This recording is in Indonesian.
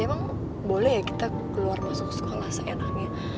emang boleh ya kita keluar masuk sekolah seenaknya